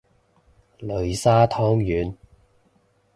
擂沙湯圓